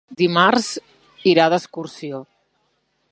Dimarts irà d'excursió.